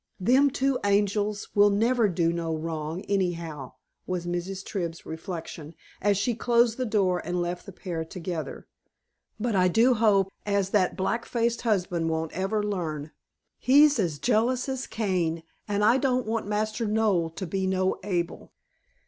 "Them two angels will never do no wrong, anyhow," was Mrs. Tribb's reflection, as she closed the door and left the pair together. "But I do hope as that black faced husband won't ever learn. He's as jealous as Cain, and I don't want Master Noel to be no Abel!"